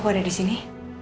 kamu ada di sini